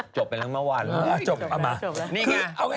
จบไปแล้วเมื่อวันเหรอจบแล้วเอามานี่ไง